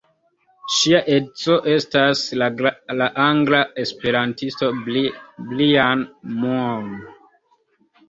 Ŝia edzo estas la angla esperantisto Brian Moon.